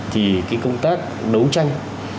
thì cái công tác đấu tranh